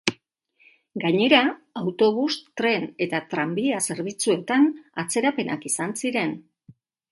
Gainera, autobus, tren eta tranbia zerbitzuetan atzerapenak izan ziren.